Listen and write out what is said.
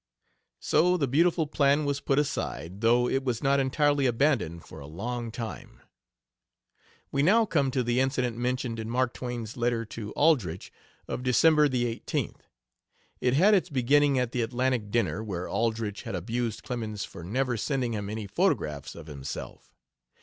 So the beautiful plan was put aside, though it was not entirely abandoned for a long time. We now come to the incident mentioned in Mark Twain's letter to Aldrich, of December the 18th. It had its beginning at the Atlantic dinner, where Aldrich had abused Clemens for never sending him any photographs of himself.